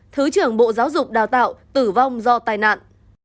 thứ trưởng bộ giáo dục đào tạo tử vong do tai nạn